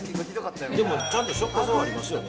でもちゃんとしょっぱさはありますよね。